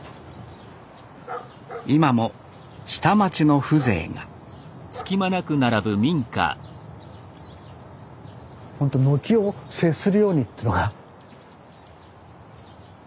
今も下町の風情がほんと軒を接するようにっていうのか。